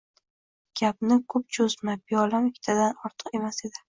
Gapni ko‘p cho‘zma, piyolam ikkitadan ortiq emas edi